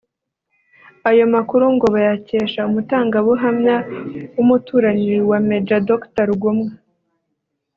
Ayo makuru ngo bayakesha umutangabuhamya w’umuturanyi wa Maj Dr Rugomwa